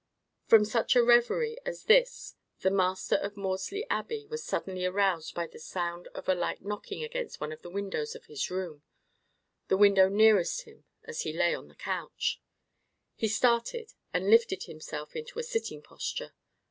From such a reverie as this the master of Maudesley Abbey was suddenly aroused by the sound of a light knocking against one of the windows of his room—the window nearest him as he lay on the couch. He started, and lifted himself into a sitting posture.